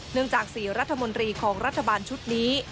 เนื่องจากสี่รัฐมนตรีของรัฐบาลชุดนี้